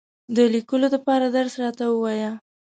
د لیکلو دپاره درس راته ووایه !